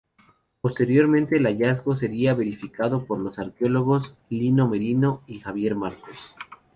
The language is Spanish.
Posteriormente el hallazgo sería verificado por los arqueólogos Lino Merino y Javier Marcos.